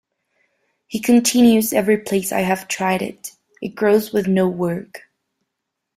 He continues Every place I have tried it, it grows with no work.